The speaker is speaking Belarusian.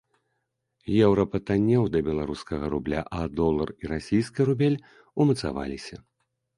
Еўра патаннеў да беларускага рубля, а долар і расійскі рубель умацаваліся.